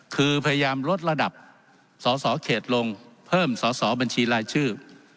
คือพยายามลดระดับสสเขตลงเพิ่มสอสอบัญชีรายชื่อ